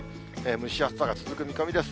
蒸し暑さが続く見込みです。